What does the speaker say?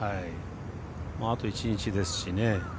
あと１日ですしね。